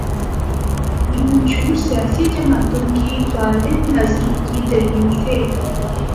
یہ منشور سیاسی جماعتوں کی بالغ نظری کی دلیل تھے۔